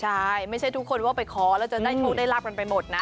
ใช่ไม่ใช่ทุกคนว่าไปขอแล้วจะได้โชคได้ลาบกันไปหมดนะ